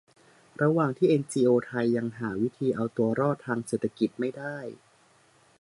ระหว่างที่เอ็นจีโอไทยยังหาวิธีเอาตัวรอดทางเศรษฐกิจไม่ได้